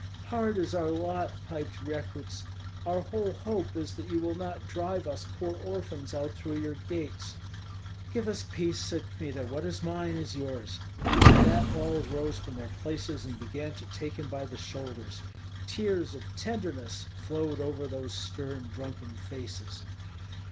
"Hard is our lot," piped Rekuts. "Our whole hope is that you will not drive us poor orphans out through your gates." "Give us peace," said Kmita; "what is mine is yours." With that all rose from their places and began to take him by the shoulders. Tears of tenderness flowed over those stern drunken faces.